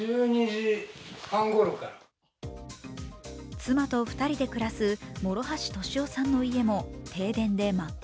妻と２人で暮らす諸橋敏夫さんの家も停電で真っ暗。